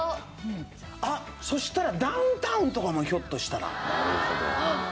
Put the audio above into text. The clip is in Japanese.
あっそしたらダウンタウンとかもひょっとしたら。